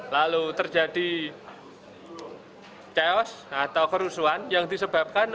lalu terjadi chaos atau kerusuhan yang disebabkan